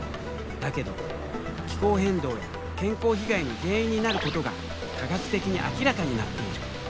だけど気候変動や健康被害の原因になることが科学的に明らかになっている。